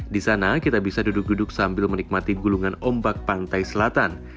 di sana kita bisa duduk duduk sambil menikmati gulungan ombak pantai selatan